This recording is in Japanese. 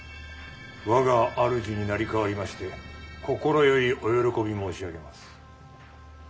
我が主に成り代わりまして心よりお喜び申し上げます。